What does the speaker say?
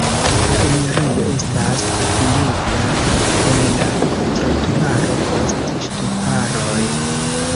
La enirejo estas atingebla el la trotuaro post ŝtuparoj.